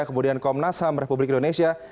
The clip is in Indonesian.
kemudian komnas ham republik indonesia